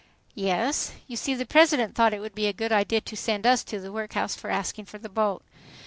"Yes. You see the President thought it would be a good idea to send us to the workhouse for asking for the vote.